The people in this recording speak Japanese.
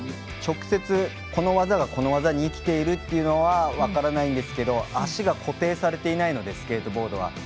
直接、この技がこの技に生きているというのは分からないんですが足が固定されていないのでスケートボードは。